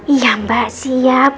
iya mbak siap